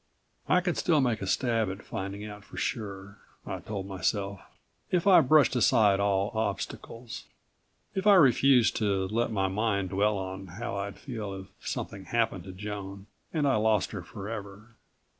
I could still make a stab at finding out for sure, I told myself, if I brushed aside all obstacles, if I refused to let my mind dwell on how I'd feel if something happened to Joan and I lost her forever.